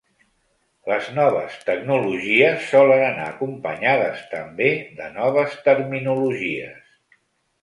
Les noves tecnologies solen anar acompanyades també de noves terminologies.